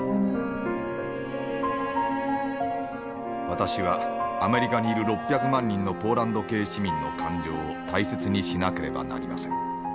「私はアメリカにいる６００万人のポーランド系市民の感情を大切にしなければなりません。